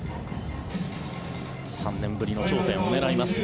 ３年ぶりの頂点を狙います。